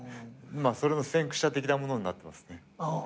まあそれの先駆者的なものになってますね。